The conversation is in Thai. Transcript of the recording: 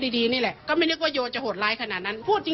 เสพยาเสพติดเข้าไปด้วยไม่อย่างนั้นคงไม่เจอ